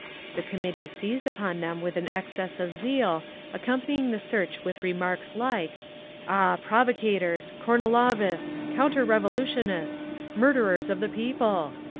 The committee seized upon them with an excess of zeal, accompanying the search with remarks like, "Ah, Provocators! Kornilovists! Counter revolutionists! Murderers of the People!"